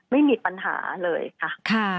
ไม่มีปัญหาเลยค่ะ